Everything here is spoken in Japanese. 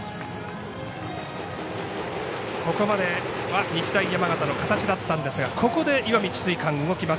ここまでは日大山形の形だったんですがここで石見智翠館、動きます。